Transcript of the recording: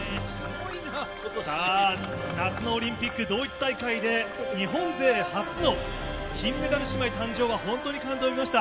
さあ、夏のオリンピック同一大会で、日本勢初の金メダル姉妹誕生は本当に感動を呼びました。